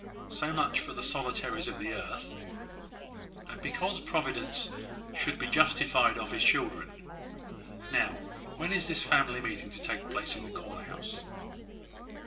So much for the solitaries of the earth, and because Providence should be justified of his children. Now, when is this family meeting to take place in the corner house?"